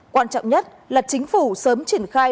quan trọng nhất là chính phủ sớm triển khai